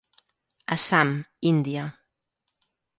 Assam, Índia.